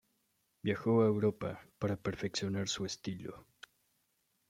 Viajó a Europa para perfeccionar su estilo.